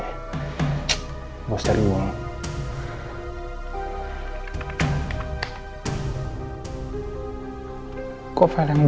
ada yang menang